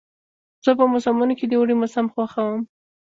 زه په موسمونو کې د اوړي موسم خوښوم.